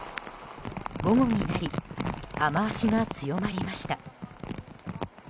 午後になり雨脚が強まりました。